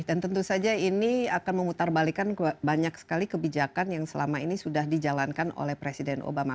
dan tentu saja ini akan memutarbalikan banyak sekali kebijakan yang selama ini sudah dijalankan oleh presiden obama